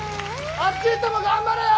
あっち行っても頑張れよ！